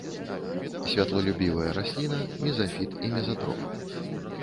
Святлолюбівая расліна, мезафіт і мезатроф.